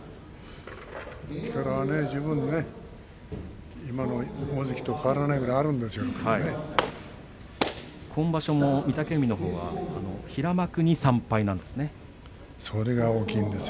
力は十分今の大関と変わらないぐらい今場所、御嶽海のほうはそれが大きいんですよ。